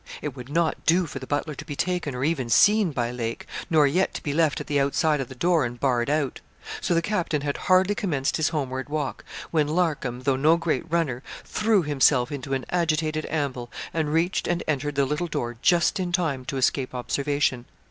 It would not do for the butler to be taken or even seen by Lake, nor yet to be left at the outside of the door and barred out. So the captain had hardly commenced his homeward walk, when Larcom, though no great runner, threw himself into an agitated amble, and reached and entered the little door just in time to escape observation.